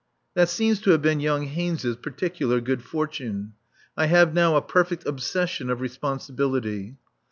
That seems to have been young Haynes's particular good fortune. I have now a perfect obsession of responsibility.